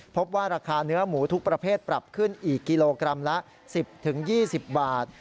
พบว่าราคาเนื้อหมูทุกประเภทปรับขึ้นอีกกิโลกรัมละ๑๐๒๐บาท